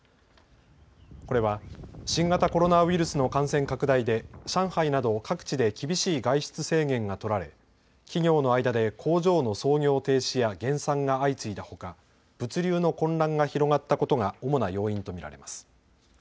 これは新型コロナウイルスの感染拡大で上海など各地で厳しい外出制限が取られ企業の間で工場の操業停止や減産が相次いだほか物流の混乱が広がったことが主な要因と見られます。